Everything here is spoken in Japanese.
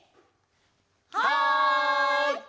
はい！